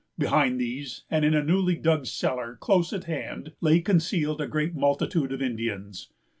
Behind these, and in a newly dug cellar close at hand, lay concealed a great multitude of Indians.